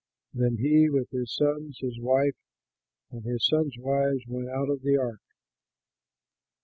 Then he, with his sons, his wife, and his sons' wives, went out of the ark.